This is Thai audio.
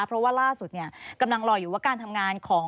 เพราะว่าล่าสุดเนี่ยกำลังรออยู่ว่าการทำงานของ